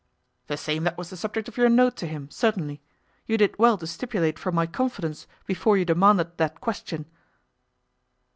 "The same that was the subject of your note to him, certainly. You did well to stipulate for my confidence before you demanded that question."